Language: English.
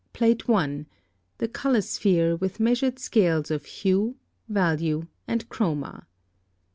PLATE I. THE COLOR SPHERE, WITH MEASURED SCALES OF HUE, VALUE, AND CHROMA.